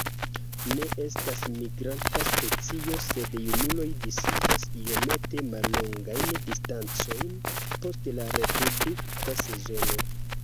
Ne estas migranta specio, sed junuloj disiĝas iomete mallongajn distancojn post la reprodukta sezono.